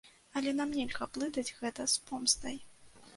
Але нам нельга блытаць гэта з помстай.